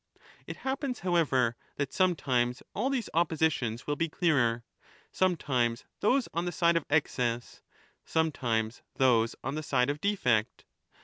It happens, however, that sometimes all these oppositions will be clearer, sometimes those on the side of excess, some times those on the side of defect.